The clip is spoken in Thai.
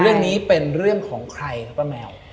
เรื่องนี้เป็นเรื่องของใครครับป้าแมว